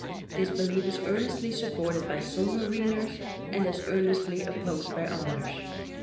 This belief is earnestly supported by some mariners and as earnestly opposed by others.